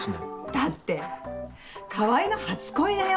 だって川合の初恋だよ